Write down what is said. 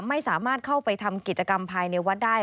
ไม่สามารถเข้าไปทำกิจกรรมภายในวัดได้